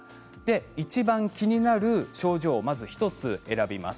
いちばん気になる症状をまず１つ選びます。